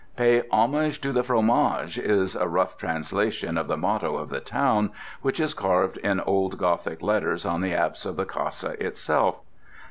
Pay homage to the fromage is a rough translation of the motto of the town, which is carved in old Gothic letters on the apse of the Casa itself.